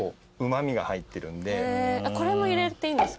これも入れていいんですか？